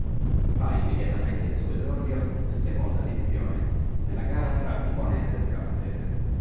Fa immediatamente il suo esordio in Seconda Divisione, nella gara tra Vibonese-Scafatese.